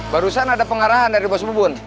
barusan ada pengarahan dari mas bubun